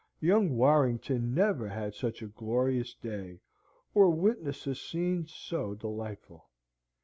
Young Warrington never had such a glorious day, or witnessed a scene so delightful.